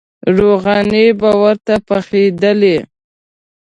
روغانۍ به ورته پخېدلې.